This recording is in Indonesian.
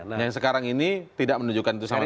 nah yang sekarang ini tidak menunjukkan itu sama sekali